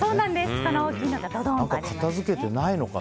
この大きいのがドドンと。